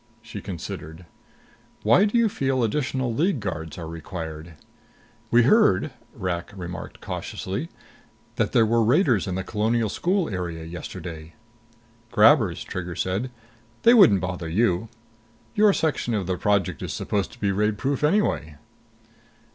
She considered. "Why do you feel additional League guards are required?" "We heard," Rak remarked cautiously, "that there were raiders in the Colonial School area yesterday." "Grabbers," Trigger said. "They wouldn't bother you. Your section of the project is supposed to be raidproof anyway."